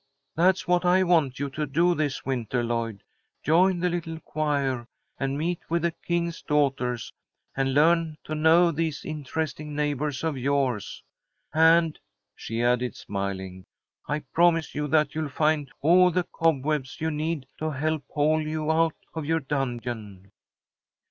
"That's what I want you to do this winter, Lloyd. Join the little choir, and meet with the King's Daughters, and learn to know these interesting neighbours of yours. And," she added, smiling, "I promise you that you'll find all the cobwebs you need to help haul you out of your dungeon."